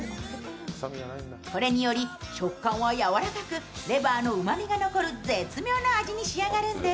これにより、食感は柔らかくレバーのうまみが残る絶妙な味に仕上がるんです。